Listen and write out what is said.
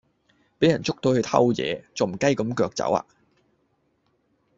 比人捉到佢偷野，仲唔雞咁腳走呀